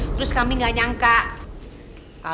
terus pasiennya mereka